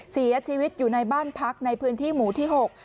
เสียชีวิตอยู่ในบ้านพักในพื้นที่หมู่ที่หก